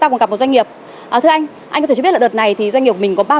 ba cuộc gặp một doanh nghiệp thưa anh anh có thể cho biết là đợt này thì doanh nghiệp mình có bao